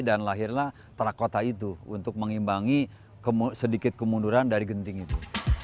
dan lahirlah terak kota itu untuk mengimbangi sedikit kemunduran dari genting itu